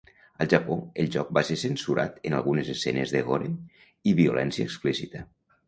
Al Japó el joc va ser censurat en algunes escenes de gore i violència explicita.